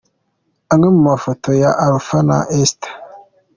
Amwe mu mafoto ya Alpha na Esther.